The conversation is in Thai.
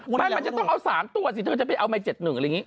มันจะต้องเอา๓ตัวสิเธอจะไปเอาใหม่๗๑อะไรอย่างนี้